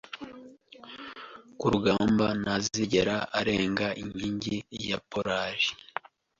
kurugamba ntazigera arenga inkingi ya Polar